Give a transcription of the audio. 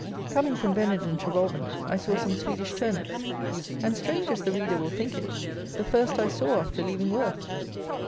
Coming from Benenden to Rolvenden I saw some Swedish turnips, and, strange as the reader will think it, the first I saw after leaving Worth!